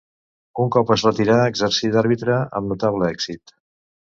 Un cop es retirà exercí d'àrbitre amb notable èxit.